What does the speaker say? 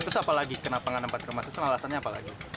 terus apa lagi kenapa nggak nempat ke rumah susun alasannya apa lagi